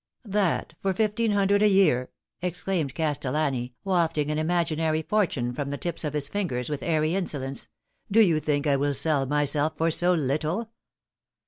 "That for fifteen hundred a year!" exclaimed Castellani, wafting an imaginary fortune from the tips of his fingers with airy insolence. " Do you think I will sell myself for so little